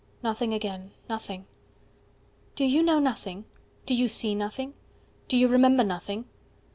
Nothing again nothing. 120 "Do You know nothing? Do you see nothing? Do you remember Nothing?"